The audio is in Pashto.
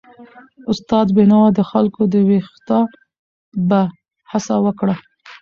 استاد بینوا د خلکو د ویښتابه هڅه وکړه.